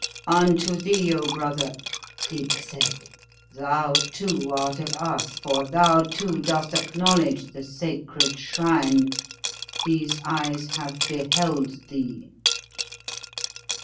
"Unto thee, oh, brother!" Cleek said. "Thou, too, art of us, for thou, too, dost acknowledge the sacred shrine. These eyes have beheld thee."